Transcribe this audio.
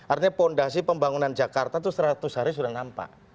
artinya fondasi pembangunan jakarta itu seratus hari sudah nampak